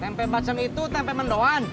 tempe macem itu tempe mendoan